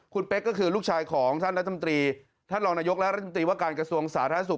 คุณเป๊กก็คือลูกชายของท่านรัฐมนตรีท่านรองนายกและรัฐมนตรีว่าการกระทรวงสาธารณสุข